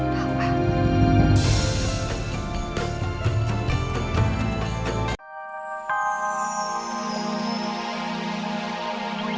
tapi yang diterima cuma dua orang